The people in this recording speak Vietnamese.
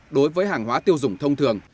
đối với hàng hóa tiêu dùng thông thường